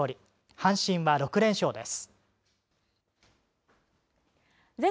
阪神は６連勝です。